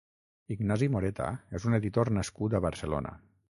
Ignasi Moreta és un editor nascut a Barcelona.